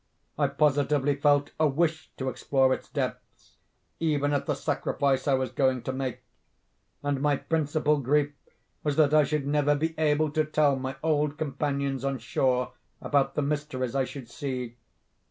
I positively felt a wish to explore its depths, even at the sacrifice I was going to make; and my principal grief was that I should never be able to tell my old companions on shore about the mysteries I should see.